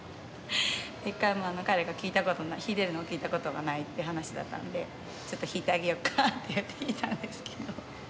一回も彼が聴いたことない弾いてるのを聴いたことがないって話だったのでちょっと弾いてあげよっかっていって弾いたんですけど。